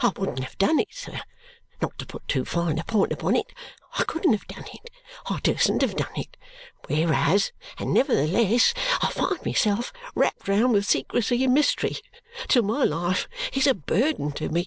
I wouldn't have done it, sir. Not to put too fine a point upon it, I couldn't have done it, I dursn't have done it. Whereas, and nevertheless, I find myself wrapped round with secrecy and mystery, till my life is a burden to me."